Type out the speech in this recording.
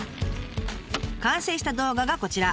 完成した動画がこちら。